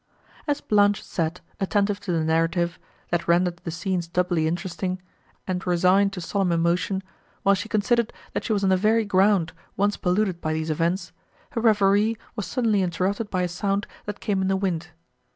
As Blanche sat, attentive to the narrative, that rendered the scenes doubly interesting, and resigned to solemn emotion, while she considered, that she was on the very ground, once polluted by these events, her reverie was suddenly interrupted by a sound, that came in the wind.